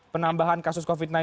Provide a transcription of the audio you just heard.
penambahan kasus covid sembilan belas